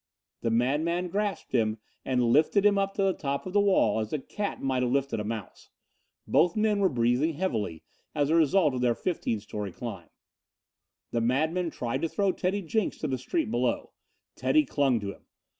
The madman grasped him and lifted him up to the top of the wall as a cat might have lifted a mouse. Both men were breathing heavily as a result of their 15 story climb. The madman tried to throw Teddy Jenks to the street below. Teddy clung to him.